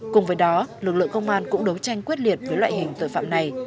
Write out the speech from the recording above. cùng với đó lực lượng công an cũng đấu tranh quyết liệt với loại hình tội phạm này